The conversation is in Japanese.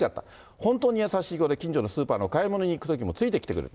本当に優しい子で近所のスーパーの買い物に行くときもついてきてくれた。